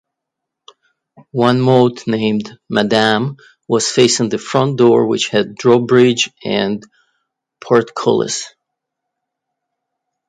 One moat, named "Madame" was facing the front door which had drawbridge and portcullis.